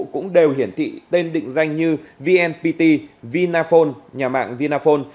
cũng đều hiển thị tên định danh như vnpt vinaphone nhà mạng vinaphone